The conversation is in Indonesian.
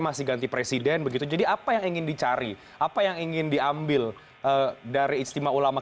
masih ganti presiden begitu jadi apa yang ingin dicari apa yang ingin diambil dari istimewa ulama